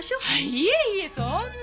いえいえそんな。